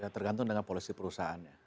tergantung dengan polisi perusahaannya